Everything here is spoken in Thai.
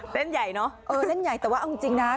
เต้นใหญ่เนอะเออเต้นใหญ่แต่ว่าเอาจริงจริงนะ